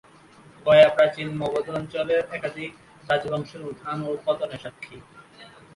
গয়া প্রাচীন মগধ অঞ্চলের একাধিক রাজবংশের উত্থান ও পতনের সাক্ষী।